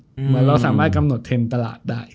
เหมือนเราสามารถกำหนดเทรนด์ตลาดได้